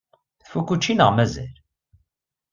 Tfukk učči neɣ mazal?